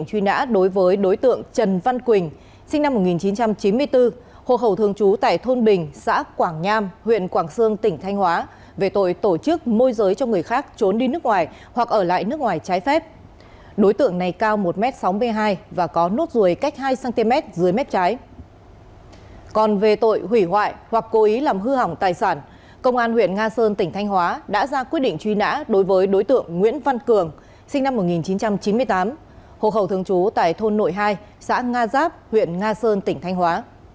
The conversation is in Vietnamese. còn về tội hủy hoại hoặc cố ý làm hư hỏng tài sản công an huyện nga sơn tỉnh thanh hóa đã ra quyết định truy nã đối với đối tượng nguyễn văn cường sinh năm một nghìn chín trăm chín mươi tám hộ khẩu thường trú tại thôn nội hai xã nga giáp huyện nga sơn tỉnh thanh hóa